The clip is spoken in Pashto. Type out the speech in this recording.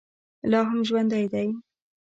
لا هم ژوندی دی.